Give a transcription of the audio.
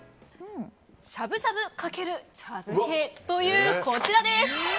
しゃぶしゃぶ×茶漬けというこちらです。